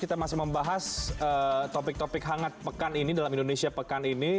kita masih membahas topik topik hangat pekan ini dalam indonesia pekan ini